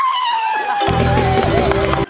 แย้